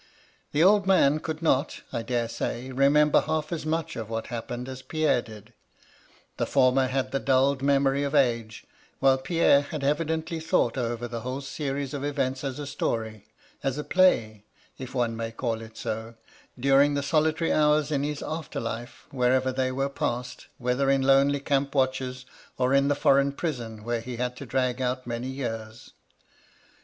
The old man could not, I dare say, remember half as much of what had happened as Pierre did ; the former had the dulled memory of age, while Pierre had evidently thought over the whole series of events as a story — as a play, if one may call it so — during the solitary hours in his after life, wherever they were passed, whether in lonely camp watches, or in the foreign prison where he had to drag out many years.